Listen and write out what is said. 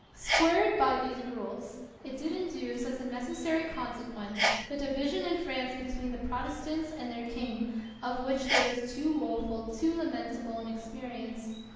Square it by these rules. It did induce as a necessary consequence the division in France be tween the Protestants and their king, of which there is too woful, too lamentable an experience.